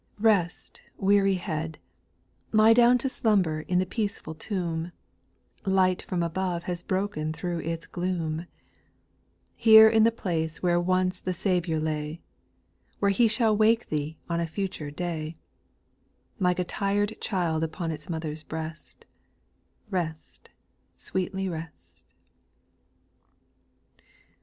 Rest, weary head I Lie down to slumber in the peaceful tomb, Light from above has broken through its gloom ; Here in the place where once thy Saviour lay, Where He shall wake thee on a future day, Like a tired child upon its mother's breast, Rest, sweetly rest I 4.